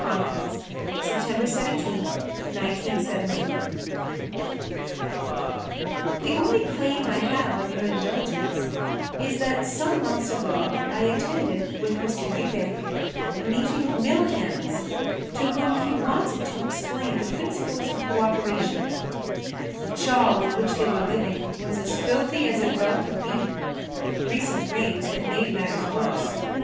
[Pg 23] THE MORAL BASIS OF CO OPERATION The only claim I have on your indulgence is that some months ago I attended with Mr. Ewbank a meeting of mill hands to whom he wanted to explain the principles of co operation. The chawl in which they were living was as filthy as it well could be. Recent rains had made matters worse.